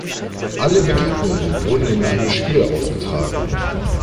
Alle Begegnungen wurden in einem Spiel ausgetragen.